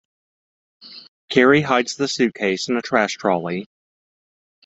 Carrie hides the suitcase in a trash trolley.